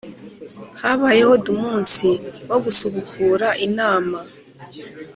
habayeho dumunsi wo gusubukura inama